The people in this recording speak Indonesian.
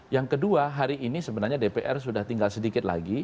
yang kedua hari ini sebenarnya dpr sudah tinggal sedikit lagi